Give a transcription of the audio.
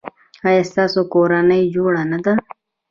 ایا ستاسو کورنۍ جوړه نه ده؟